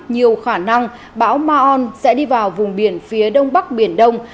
nhiều khả năng bão ma on sẽ đi vào vùng biển phía đông bắc biển đông